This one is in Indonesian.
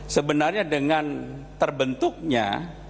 sebenarnya dengan terbentuknya